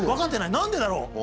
何でだろう？